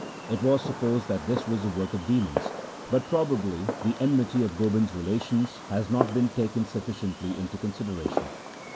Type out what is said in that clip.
It was supposed that this was the work of demons, but probably the enmity of Gobind's relations has not been taken sufficiently into con sideration.